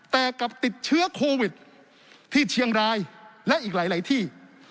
แต่กลับติดเชื้อโควิดที่เชียงรายและอีกหลายที่